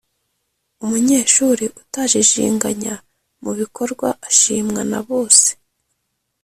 umunyeshuri utajijinganya mu bikorwa ashimwa na bose